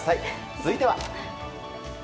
続いては。